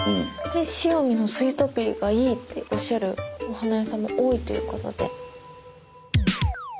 塩見のスイートピーがいいっておっしゃるお花屋さんも多いということで。